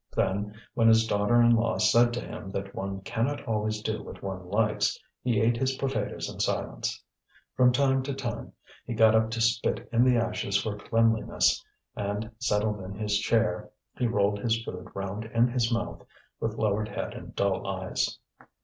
Then, when his daughter in law said to him that one cannot always do what one likes, he ate his potatoes in silence. From time to time he got up to spit in the ashes for cleanliness, and, settled in his chair, he rolled his food round in his mouth, with lowered head and dull eyes.